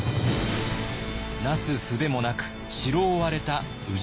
なすすべもなく城を追われた氏真。